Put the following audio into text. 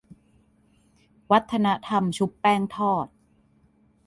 วัฒนธรรมชุบแป้งทอด